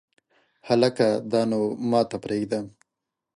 هلکه دا نو ماته پرېږده !